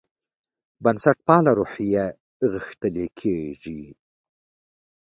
بنسټپاله روحیه غښتلې کېږي.